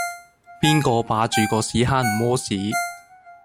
邊個霸住個屎坑唔痾屎